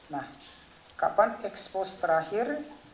nah kapan expose terakhir